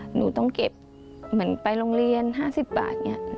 หนูต้องเก็บเหมือนไปโรงเรียน๕๐บาทอย่างนี้